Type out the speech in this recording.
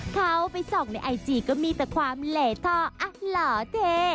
เข้าไปส่องในไอจีก็มีแต่ความเหลท่ออ่ะหล่อเท